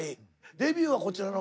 デビューはこちらの。